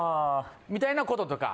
みたいなこととか。